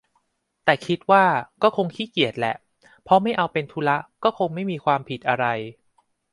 แต่คิดว่าก็คงขี้เกียจแหละ เพราะไม่เอาเป็นธุระก็คงไม่มีความผิดอะไร